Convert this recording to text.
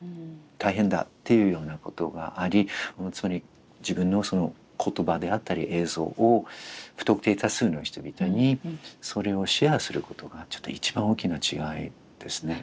「大変だ」っていうようなことがありつまり自分の言葉であったり映像を不特定多数の人々にそれをシェアすることが一番大きな違いですね。